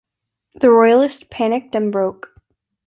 The Royalists panicked and broke.